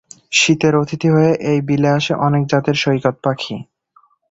শীতের অতিথি হয়ে এই বিলে আসে অনেক জাতের সৈকত পাখি।